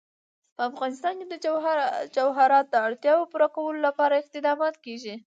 په افغانستان کې د جواهرات د اړتیاوو پوره کولو لپاره اقدامات کېږي.